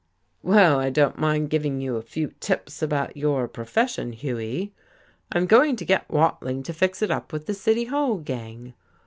"Well, I don't mind giving you a few tips about your profession, Hughie. I'm going to get Watling to fix it up with the City Hall gang.